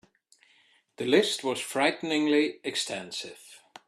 The list was frighteningly extensive.